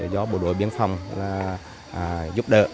do bộ đội biên phòng giúp đỡ